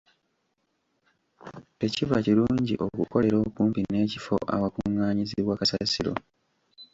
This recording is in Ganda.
Tekiba kirungi okukolera okumpi n'ekifo awakungaanyizibwa kasasiro.